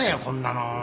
こんなの。